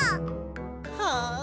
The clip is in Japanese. はあ！